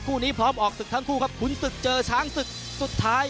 คู่นี้พร้อมออกศึกทั้งคู่ครับขุนศึกเจอช้างศึกสุดท้าย